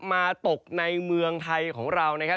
มาตกในเมืองไทยของเรานะครับ